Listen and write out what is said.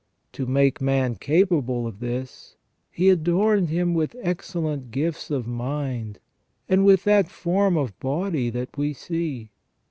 To make man capable of this, He adorned him with excellent gifts of mind, and with that form of body that we see.